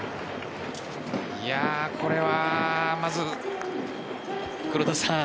これはまず、黒田さん。